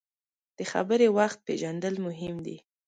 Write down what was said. د خبرې وخت پیژندل مهم دي.